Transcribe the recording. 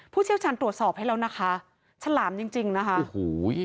เชี่ยวชาญตรวจสอบให้แล้วนะคะฉลามจริงจริงนะคะโอ้โห